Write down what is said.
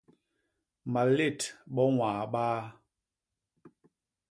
Malét bo ñwaa baa!